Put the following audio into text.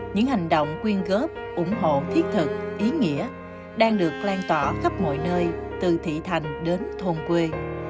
những hành động quyên góp ủng hộ thiết thực ý nghĩa đang được lan tỏa khắp mọi nơi từ thị thành đến thôn quê